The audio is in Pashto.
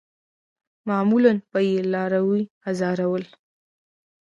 معمولاً به یې لاروي آزارول.